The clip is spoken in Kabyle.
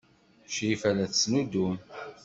Crifa la tettnuddum.